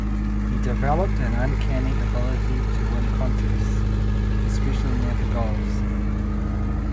He developed an uncanny ability to win contests, especially near the goals.